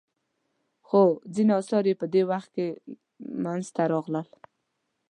خو ځینې اثار په دې وخت کې منځته راغلل.